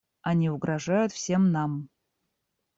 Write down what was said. Они угрожают всем нам.